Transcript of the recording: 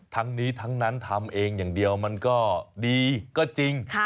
ทั้งนี้ทั้งนั้นทำเองอย่างเดียวมันก็ดีก็จริง